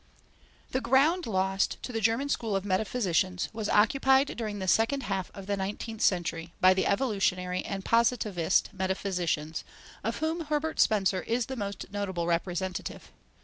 The ground lost to the German school of metaphysicians was occupied during the second half of the nineteenth century by the evolutionary and positivist metaphysicians, of whom Herbert Spencer is the most notable representative.